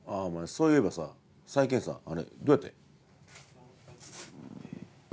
そういえばさ再検査あれどうやってん？